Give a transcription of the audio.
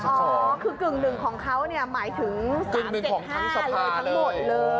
อ๋อคือกึ่งหนึ่งของเขาหมายถึง๓๗๕เลยทั้งหมดเลย